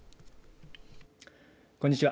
こんにちは。